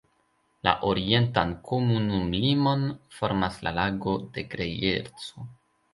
La orientan komunumlimon formas la Lago de Grejerco.